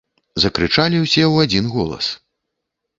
- закрычалi ўсе ў адзiн голас.